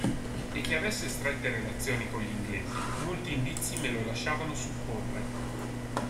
E che avesse strette relazioni con gli inglesi, molti indizi me lo lasciavano supporre.